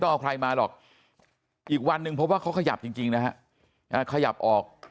ต้องเอาใครมาหรอกอีกวันนึงเพราะว่าเขาขยับจริงนะขยับออก